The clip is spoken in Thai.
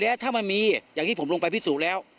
แล้วถ้ามันมีอย่างที่ผมลงไปพิสูจน์แล้ว